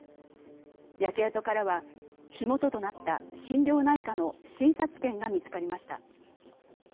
焼け跡からは火元となった心療内科の診察券が見つかりました。